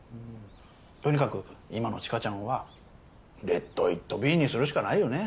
とにかく今の知花ちゃんはレットイットビーにするしかないよね。